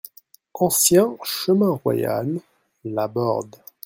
Ancien Chemin Royal, Lasbordes